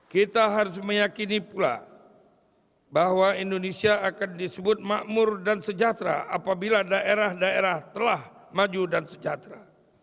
kita harus meyakini pula bahwa indonesia akan disebut makmur dan sejahtera apabila daerah daerah telah maju dan sejahtera